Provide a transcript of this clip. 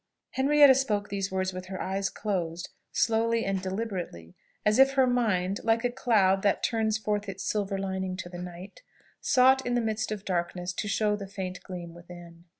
Henrietta spoke these words with her eyes closed, slowly and deliberately, as if her mind, like a cloud that "Turns forth its silver lining to the night," sought in the midst of darkness to show the faint gleam within.